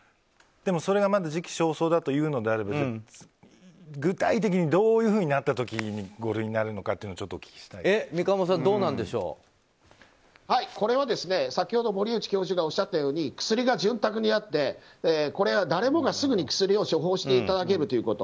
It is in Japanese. でも、それが時期尚早だというのであれば具体的にどういうふうになった時にこれは先ほど森内教授がおっしゃったように薬が潤沢にあって誰もがすぐに薬を処方していただけること。